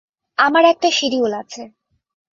আমার একটা শিডিউল আছে।